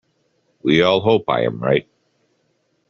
We all hope I am right.